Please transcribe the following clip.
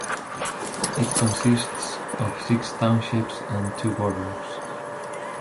It consists of six townships and two boroughs.